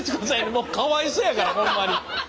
もうかわいそうやからほんまに。